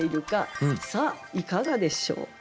さあいかがでしょう？